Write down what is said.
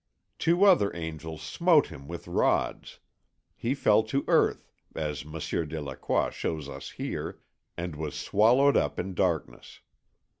Two other angels smote him with rods. He fell to earth, as Monsieur Delacroix shows us here, and was swallowed up in darkness.